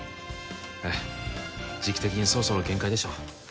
ええ時期的にそろそろ限界でしょう